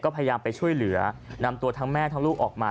พยายามไปช่วยเหลือนำตัวทั้งแม่ทั้งลูกออกมา